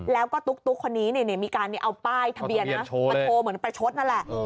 แล้วก็ตุ๊กคนนี้มีการเอาป้ายทะเบียนมาโชว์เหมือนประชดนั่นแหละ